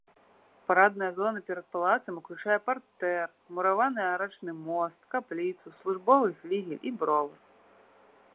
Парадная зона перад палацам уключае партэр, мураваны арачны мост, капліцу, службовы флігель і бровар.